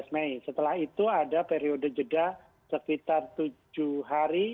tujuh belas mei setelah itu ada periode jeda sekitar tujuh hari